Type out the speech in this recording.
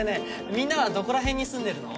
みんなはどこら辺に住んでるの？